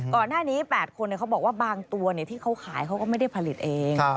ก่อนหน้านี้๘คนเขาบอกว่าบางตัวที่เขาขายเขาก็ไม่ได้ผลิตเอง